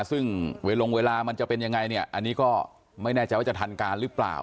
ซึ่งเวลาลงเวลามันจะเป็นยังไงเนี่ยอันนี้ก็ไม่แน่ใจว่าจะทันการหรือเปล่า